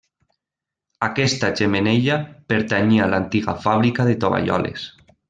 Aquesta xemeneia pertanyia a l'antiga fàbrica de tovalloles.